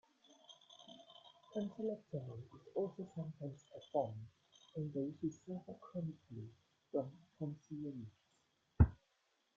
Tonsillectomy is also sometimes performed on those who suffer chronically from tonsilloliths.